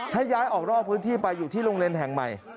ให้ย้ายออกนอกพื้นที่ไปอยู่ที่โรงเรียนแห่งใหม่